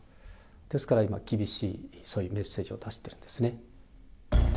ですから今、厳しいそういうメッセージを出してるんですね。